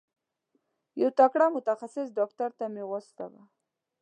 یو تکړه متخصص ډاکټر ته مي واستوه.